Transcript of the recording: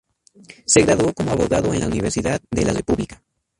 Se graduó como abogado en la Universidad de la República.